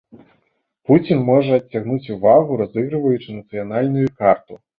Пуцін можа адцягнуць увагу, разыгрываючы нацыянальную карту.